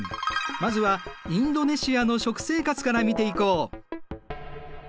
まずはインドネシアの食生活から見ていこう。